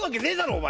お前。